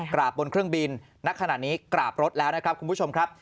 บนเครื่องบินณขณะนี้กราบรถแล้วนะครับคุณผู้ชมครับ